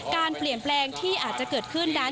การเปลี่ยนแปลงที่อาจจะเกิดขึ้นนั้น